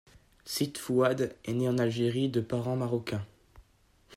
Ceet Fouad est né en Algérie de parents marocains.